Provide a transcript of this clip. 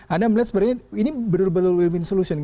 anda melihat sebenarnya ini benar benar win win solution